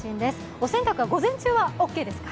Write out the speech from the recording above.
お洗濯は午前中はオーケーですか。